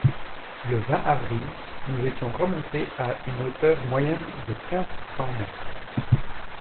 Le vingt avril, nous étions remontés à une hauteur moyenne de quinze cents mètres.